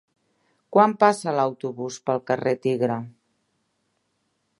Quan passa l'autobús pel carrer Tigre?